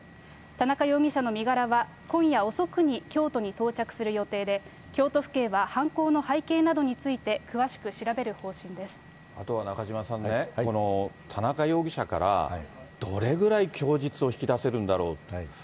田中容疑者の身柄は、今夜遅くに京都に到着する予定で、京都府警は犯行の背景などについて詳しくあとは中島さんね、田中容疑者からどれぐらい供述を引き出せるんだろうと。